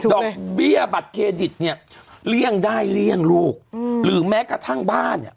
ดอกเบี้ยบัตรเครดิตเนี่ยเลี่ยงได้เลี่ยงลูกหรือแม้กระทั่งบ้านเนี่ย